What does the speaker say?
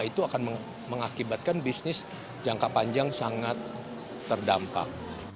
itu akan mengakibatkan bisnis jangka panjang sangat terdampak